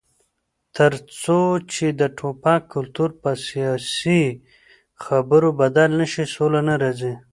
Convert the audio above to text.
تر څو چې د ټوپک کلتور په سیاسي خبرو بدل نشي، سوله نه راځي.